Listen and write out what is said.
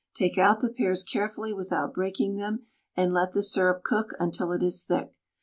Take out the pears carefully without breaking them, and let the syrup cook until it is thick.